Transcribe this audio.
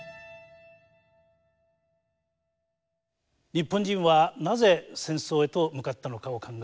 日本人はなぜ戦争へと向かったのかを考える